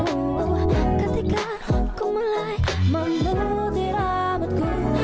ketika ku mulai menutir rambutku